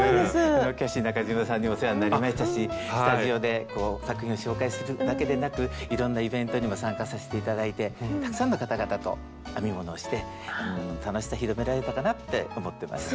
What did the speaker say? キャシー中島さんにもお世話になりましたしスタジオで作品を紹介するだけでなくいろんなイベントにも参加させて頂いてたくさんの方々と編み物をして編み物の楽しさ広められたかなって思ってます。